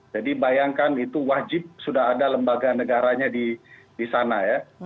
jadi bayangkan itu wajib sudah ada lembaga negaranya di sana ya